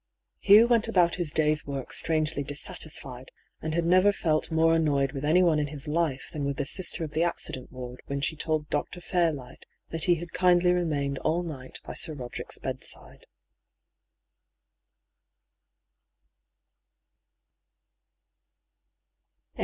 Hugh went about his day's work strangely dissatisfied, and had never felt more annoyed with anyone in his life than with the Sister of the accident ward when she told Dr. Fairlight that he had kindly remained all night by Sir Roderick's bedside.